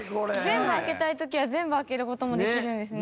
全部開けたい時は全部開ける事もできるんですね。